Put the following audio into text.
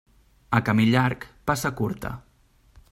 A camí llarg, passa curta.